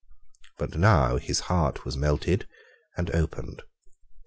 But now his heart was melted and opened.